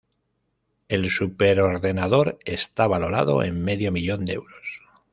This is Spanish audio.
El superordenador está valorado en medio millón de euros.